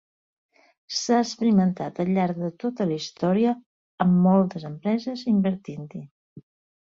S'ha experimentat al llarg de tota la història, amb moltes empreses invertint-hi.